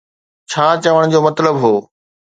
ڇا چوڻ جو مطلب هو.